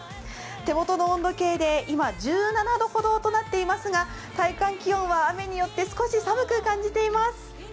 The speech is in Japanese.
手元の温度計で今、１７度ほどとなっていますが体感気温は雨によって、少し寒く感じています。